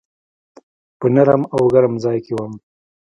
په نرم او ګرم ځای کي وم .